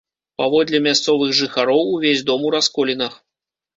Паводле мясцовых жыхароў, увесь дом у расколінах.